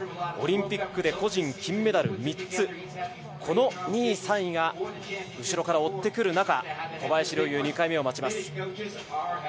オリンピックで個人金メダル３つ、この２位、３位が後ろから追ってくる中、小林陵侑、２回目を待ちます。